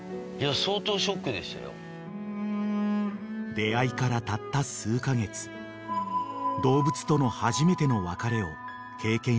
［出合いからたった数カ月動物との初めての別れを経験したのです］